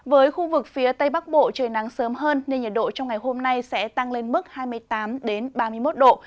với khu vực phía tây bắc bộ trời nắng sớm hơn nên nhiệt độ trong ngày hôm nay sẽ tăng lên mức hai mươi tám ba mươi một độ